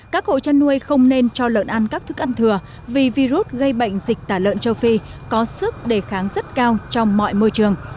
các hộ chăn nuôi không nên cho lợn ăn các thức ăn thừa vì virus gây bệnh dịch tả lợn châu phi có sức đề kháng rất cao trong mọi môi trường